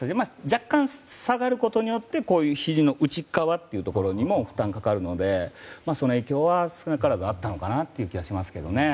若干、下がることによってひじの内側にも負担がかかるのでその影響は少なからずあったのかなという気はしますけどね。